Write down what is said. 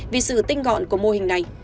vì sự tinh gọn của mô hình này